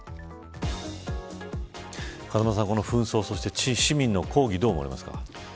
風間さん、この紛争市民の抗議、どう思われますか。